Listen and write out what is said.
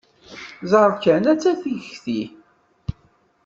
Ẓer kan atta tikti!